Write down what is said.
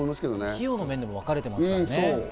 費用の面でも分かれています